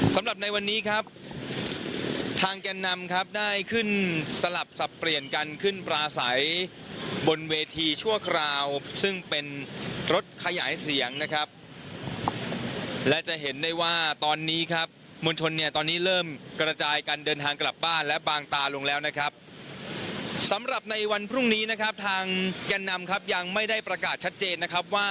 สำหรับในวันนี้ครับทางแก่นนำครับได้ขึ้นสลับสับเปลี่ยนกันขึ้นปลาใสบนเวทีชั่วคราวซึ่งเป็นรถขยายเสียงนะครับและจะเห็นได้ว่าตอนนี้ครับมวลชนเนี่ยตอนนี้เริ่มกระจายกันเดินทางกลับบ้านและบางตาลงแล้วนะครับสำหรับในวันพรุ่งนี้นะครับทางแก่นนำครับยังไม่ได้ประกาศชัดเจนนะครับว่า